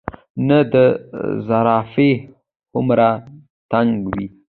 نۀ د زرافه هومره دنګ وي ،